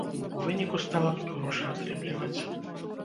У выніку стала тут грошы атрымліваць.